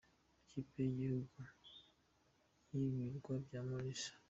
Ikipe y’Igihugu y’Ibirwa bya Maurice.